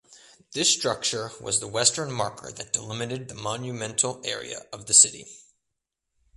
This structure was the western marker that delimited the monumental area of the city.